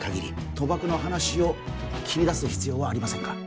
賭博の話を切り出す必要はありませんから